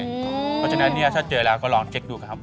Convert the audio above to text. เพราะฉะนั้นถ้าเจอแล้วก็ลองเจ็คดูครับ